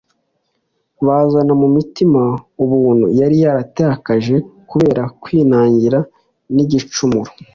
bazana mu mutima ubuntu yari yaratakaje kubera kwinangira n'igicumuro.